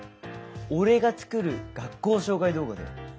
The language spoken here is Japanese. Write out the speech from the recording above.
俺が作る学校紹介動画だよ。